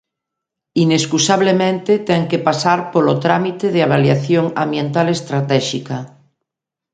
Inescusablemente ten que pasar polo trámite de avaliación ambiental estratéxica.